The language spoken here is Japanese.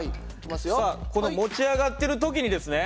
さあ持ち上がってる時にですね